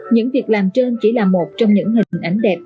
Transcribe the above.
những việc làm trên chỉ là một trong những hình ảnh đẹp